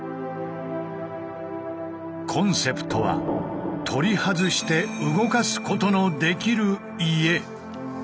コンセプトは取り外して動かすことのできる家。